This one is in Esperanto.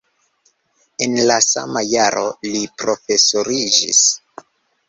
En la sama jaro li profesoriĝis.